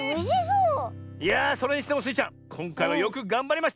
いやそれにしてもスイちゃんこんかいはよくがんばりました！